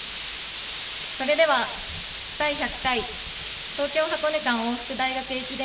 それでは、第１００回東京箱根間往復大学駅伝